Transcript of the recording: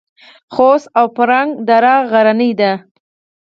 خوست او فرنګ دره غرنۍ ده؟